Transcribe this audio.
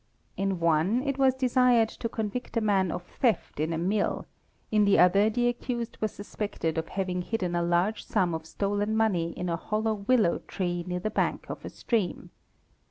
In one it was desired to convict a man of theft in a mill; in the other the accused was suspected of having hidden a large sum of stolen money in a hollow willow tree near the bank of a stream.